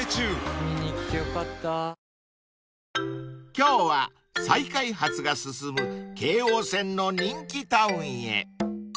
［今日は再開発が進む京王線の人気タウンへ］